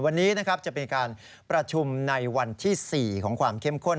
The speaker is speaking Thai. วันนี้นะครับจะเป็นการประชุมในวันที่๔ของความเข้มข้น